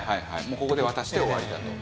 もうここで渡して終わりだと。